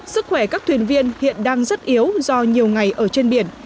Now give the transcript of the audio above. sức khỏe các thuyền viên hiện đang rất yếu do nhiều ngày ở trên biển